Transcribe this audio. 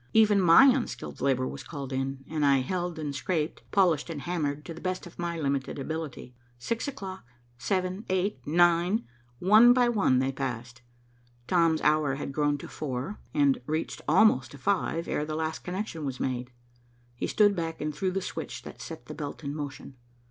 Even my unskilled labor was called in, and I held and scraped, polished and hammered to the best of my limited ability. Six o'clock, seven, eight, nine, one by one they passed. Tom's hour had grown to four, and reached almost to five, ere the last connection was made. He stood back and threw the switch that set the belt in motion.